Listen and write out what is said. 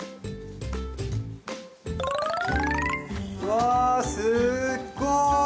うわすっごい！